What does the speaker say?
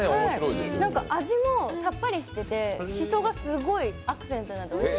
味もさっぱりしてて、しそがすごいアクセントになってて。